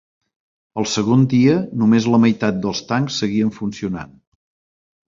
El segon dia, només la meitat dels tancs seguien funcionant.